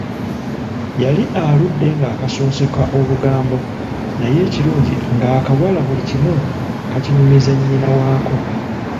Yali aludde ng'akasonseka obugambo naye ekirungi ng'akawala buli kimu kakinyumiza nnyina waako.